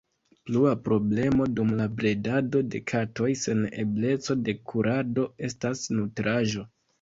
Plua problemo dum la bredado de katoj sen ebleco de kurado estas nutraĵo.